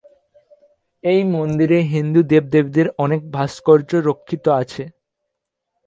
এই মন্দিরে হিন্দু দেবদেবীদের অনেক ভাস্কর্য রক্ষিত আছে।